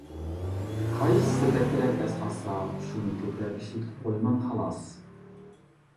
قايسىسى بەكرەك ئەسقاتسا شۇنى كۆپرەك ئىشلىتىپ قويىمەن خالاس.